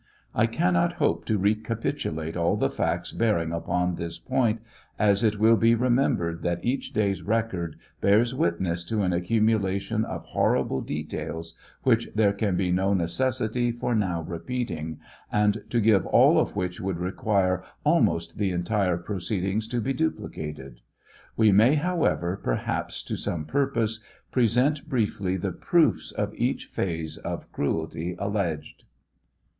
I cannot hope to recapitulate all the facts bearing upon this point, as it will be remembered that each day's record bears witness to an accumulation of hor rible details which there can be no necessity for now repeating, and to give all of which would require almost the entire proceedings to be duplicated. We may, however, perhaps to some purpose, present briefly the proofs of each phase of cruelty alleged.